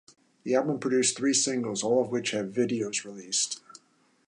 The album produced three singles, all of which had videos released.